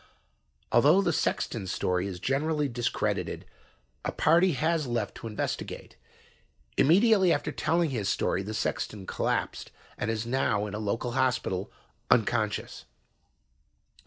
"Although the sexton's story is generally discredited, a party has left to investigate. Immediately after telling his story, the sexton collapsed and is now in a local hospital, unconscious."